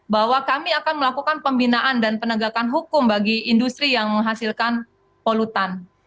bahwa kami akan melakukan pembinaan dan penegakan hukum bagi industri yang menghasilkan polutan